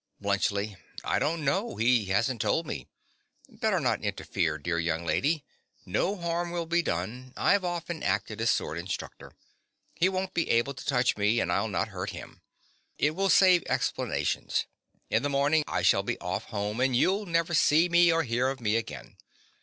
BLUNTSCHLI. I don't know: he hasn't told me. Better not interfere, dear young lady. No harm will be done: I've often acted as sword instructor. He won't be able to touch me; and I'll not hurt him. It will save explanations. In the morning I shall be off home; and you'll never see me or hear of me again.